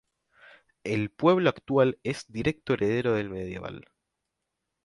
El pueblo actual es directo heredero del medieval.